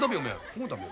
こうだべ。